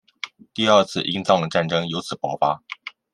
第二次英藏战争由此爆发。